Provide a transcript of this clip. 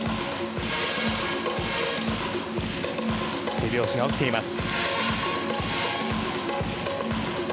手拍子が起きています。